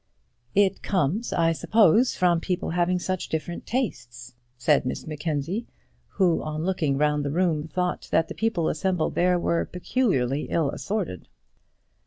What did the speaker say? "It comes, I suppose, from people having such different tastes," said Miss Mackenzie, who, on looking round the room, thought that the people assembled there were peculiarly ill assorted.